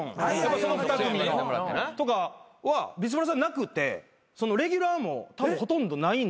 その２組のとかはビスブラさんなくてレギュラーもほとんどないんですよ。